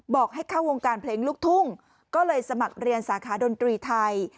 บอกให้เข้าวงการเพลงลูกทุ่งก็เลยสมัครเรียนสาขาดนตรีไทย